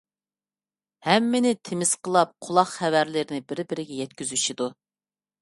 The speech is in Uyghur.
ھەممىنى تىمسىقلاپ قۇلاق خەۋەرلىرىنى بىر - بىرىگە يەتكۈزۈشىدۇ.